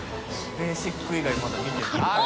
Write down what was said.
ベーシック以外まだ見てない。